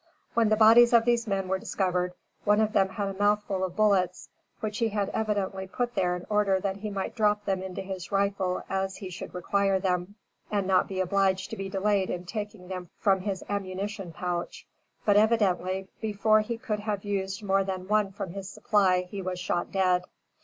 When the bodies of these men were discovered, one of them had a mouthful of bullets, which he had evidently put there in order that he might drop them into his rifle as he should require them, and not be obliged to be delayed in taking them from his ammunition pouch; but, evidently, before he could have used more than one from this supply, he was shot dead.